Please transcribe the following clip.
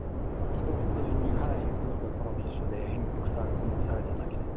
もう普通に、普通のお客様と一緒で、返却されただけです。